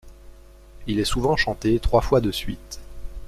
Il est souvent chanté trois fois de suite.